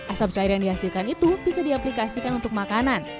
asap cair yang dihasilkan itu bisa diaplikasikan untuk makanan